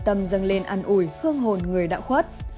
đồng tâm dâng lên ăn uỷ hương hồn người đã khuất